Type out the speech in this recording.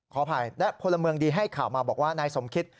ขออภัยและพลเมืองดีให้ข่าวมาบอกว่านายสมคิต